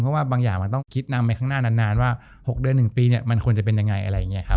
เพราะว่าบางอย่างมันต้องคิดนำไปข้างหน้านานว่า๖เดือน๑ปีมันควรจะเป็นยังไง